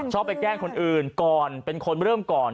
ไปแกล้งคนอื่นก่อนเป็นคนเริ่มก่อน